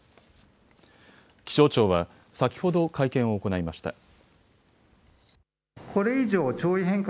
気象庁は先ほど会見を行いました。